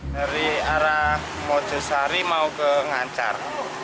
dari arah mojosari mau ke ngancar